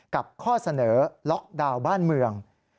ข้อเสนอล็อกดาวน์บ้านเมือง